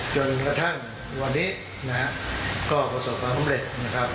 จนกระทั่งวันนี้ก็ประสบความสำเร็จ